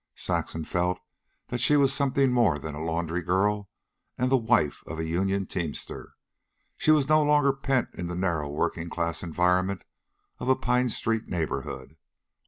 Saxon felt that she was something more than a laundry girl and the wife of a union teamster. She was no longer pent in the narrow working class environment of a Pine street neighborhood.